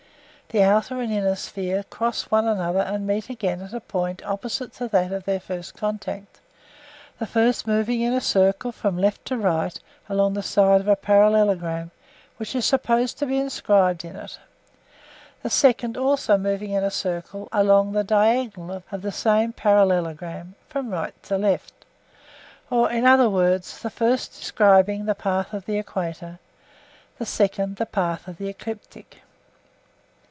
The outer and the inner sphere cross one another and meet again at a point opposite to that of their first contact; the first moving in a circle from left to right along the side of a parallelogram which is supposed to be inscribed in it, the second also moving in a circle along the diagonal of the same parallelogram from right to left; or, in other words, the first describing the path of the equator, the second, the path of the ecliptic.